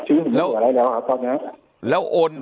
ชีวิตมันเหลืออะไรนะครับตอนนี้